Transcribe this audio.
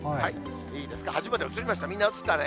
いいですか、映りましたか、みんな、映ったね？